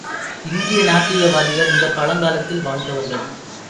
இந்திய நாத்திக வாதிகள் மிகப் பழங்காலத்தில் வாழ்ந்தவர்கள்.